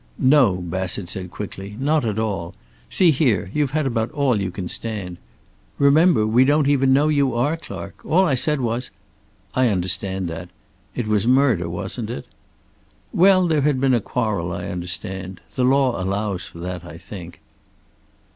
"No," Bassett said quickly. "Not at all. See here, you've had about all you can stand. Remember, we don't even know you are Clark. All I said was " "I understand that. It was murder, wasn't it?" "Well, there had been a quarrel, I understand. The law allows for that, I think."